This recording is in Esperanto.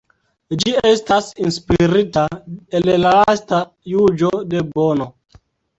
Ĝi estas inspirita el la lasta juĝo de Bono.